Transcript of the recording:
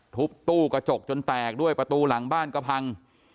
ทุบตู้กระจกจนแตกด้วยประตูหลังบ้านก็พัง